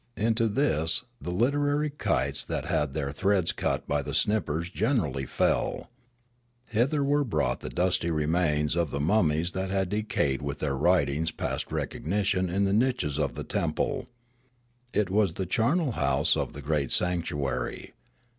Into this the literary kites that had their threads cut b} the snippers generally fell. Hither were brought the dusty remains of the mummies that had decayed with their writings past recognition in the niches of the temple. It was the charnel house of the great sanctuary.